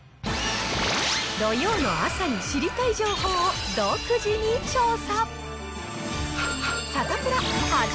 土曜の朝に知りたい情報を独自に調査。